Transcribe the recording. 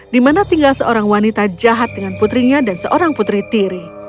di mana tinggal seorang wanita jahat dengan putrinya dan seorang putri tiri